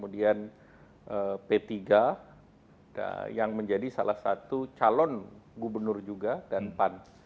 dan p tiga yang menjadi salah satu calon gubernur juga dan pan